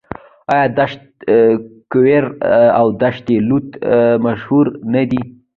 آیا دشت کویر او دشت لوت مشهورې نه دي؟